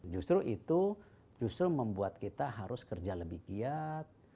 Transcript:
justru itu justru membuat kita harus kerja lebih giat